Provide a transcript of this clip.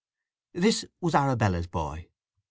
This was Arabella's boy.